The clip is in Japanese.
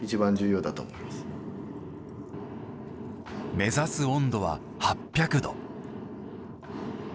目指す温度は８００度。